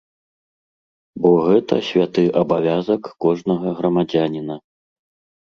Бо гэта святы абавязак кожнага грамадзяніна.